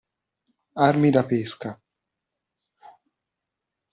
Armi da pesca.